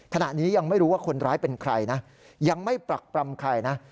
ขณะนี้ยังไม่รู้ว่าคนร้ายเป็นใครนะยังไม่ปรักปรำใครนะ